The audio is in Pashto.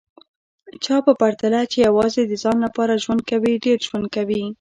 چا په پرتله چي یوازي د ځان لپاره ژوند کوي، ډېر ژوند کوي